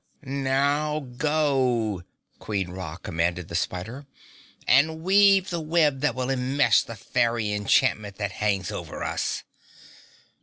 "Now go," Queen Ra commanded the spider, "and weave the web that will enmesh the fairy enchantment that hangs over us!"